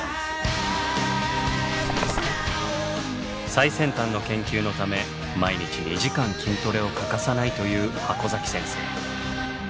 最先端の研究のため毎日２時間筋トレを欠かさないという箱先生。